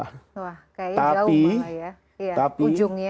wah kayaknya jauh malah ya ujungnya